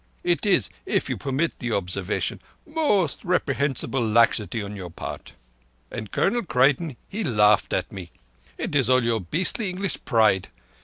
It is, if you permit the observation, most reprehensible laxity on your part.' And Colonel Creighton, he laughed at me! It is all your beastly English pride.